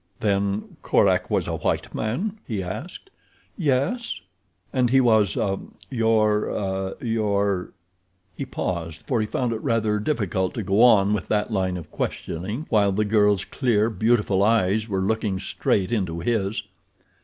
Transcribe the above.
"Then Korak was a white man?" he asked. "Yes." "And he was—ah—your—er—your—?" He paused, for he found it rather difficult to go on with that line of questioning while the girl's clear, beautiful eyes were looking straight into his.